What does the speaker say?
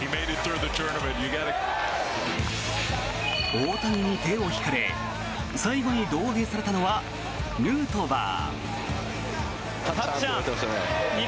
大谷に手を引かれ最後に胴上げされたのはヌートバー。